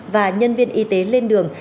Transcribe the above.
và nhân viên y tế lên đường